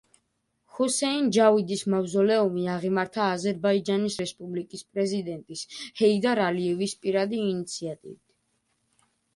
ჰუსეინ ჯავიდის მავზოლეუმი აღიმართა აზერბაიჯანის რესპუბლიკის პრეზიდენტის ჰეიდარ ალიევის პირადი ინიციატივით.